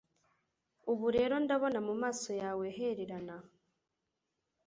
Ubu rero ndabona mumaso yawe hererana